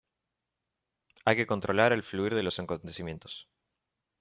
Hay que controlar el fluir de los acontecimientos